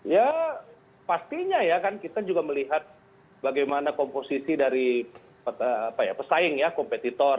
ya pastinya ya kan kita juga melihat bagaimana komposisi dari pesaing ya kompetitor